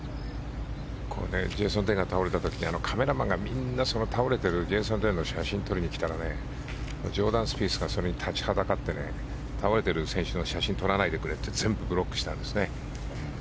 これ、ジェイソンが倒れた時にカメラマンがみんな倒れているジェイソンの写真を撮りに来たらジョーダン・スピースがそれに立ちはだかって倒れている選手を撮るなと全部ブロックしたんですよね。